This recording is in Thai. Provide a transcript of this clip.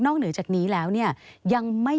นอกเหนือจากนี้แล้วเนี่ย